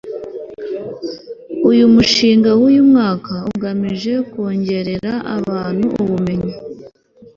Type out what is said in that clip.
uyu mushinga w imyaka ugamije kongerera abantu ubumenyi